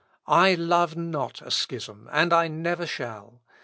_ "I love not a schism and I never shall.